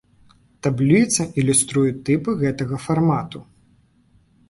Табліца ілюструе тыпы гэтага фармату.